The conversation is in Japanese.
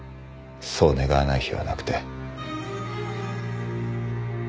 そう願わない日はなくて。